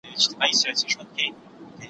د احمق نوم يې پر ځان نه سو منلاى